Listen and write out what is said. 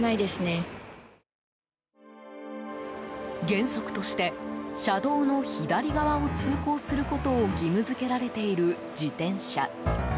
原則として車道の左側を通行することを義務付けられている自転車。